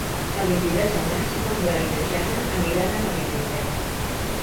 El vint-i-tres de maig en Blai i na Jana aniran a la biblioteca.